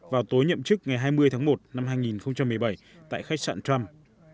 vào tối nhậm chức ngày hai mươi tháng một năm hai nghìn một mươi bảy tại khách sạn trump